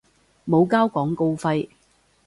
冇交廣告費